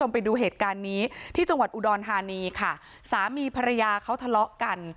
ไปดูเหตุการณ์นี้ที่จังหวัดอุดรธานีค่ะสามีภรรยาเขาทะเลาะกัน